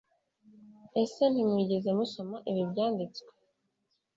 ese ntimwigeze musoma ibi byanditswe